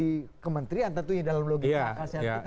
di kementerian tentunya dalam logika kasiat kita kan